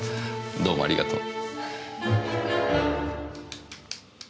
どうもありがとう。